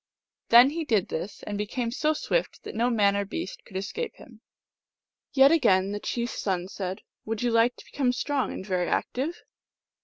Then he did this, and became so swift that no man or beast could escape him. Yet again the chief s son said, " Would you like to become strong and very active